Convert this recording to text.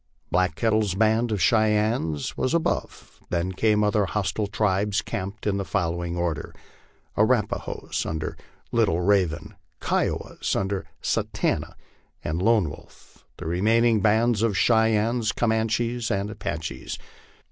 Black Kettle's band of Cheyennes was above ; then came other hostile tribes camped in the following order : Arrapahoes under Little Ra 190 LIFE ON THE PLAINS. ven ; Kiowas under Satanta and Lone Wolf; the remaining bands of Cheyennes, Cornanches, and Apaches.